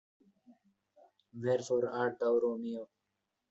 Wherefore art thou Romeo?